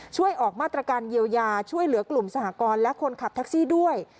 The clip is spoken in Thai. ช่วยออกมาตรการเยียวยาช่วยเหลือกลุ่มสหกรณ์และคนขับแท็กซี่ด้วย